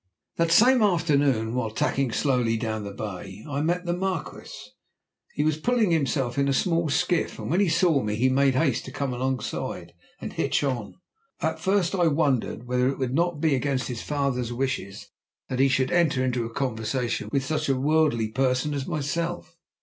That same afternoon, while tacking slowly down the bay, I met the Marquis. He was pulling himself in a small skiff, and when he saw me he made haste to come alongside and hitch on. At first I wondered whether it would not be against his father's wishes that he should enter into conversation with such a worldly person as myself.